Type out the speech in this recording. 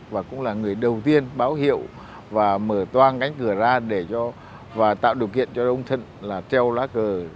và cũng là người đầu tiên báo hiệu và mở toan cánh cửa ra để cho và tạo điều kiện cho ông thân là treo lá cờ